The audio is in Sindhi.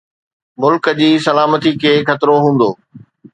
ملڪ جي سلامتي کي خطرو هوندو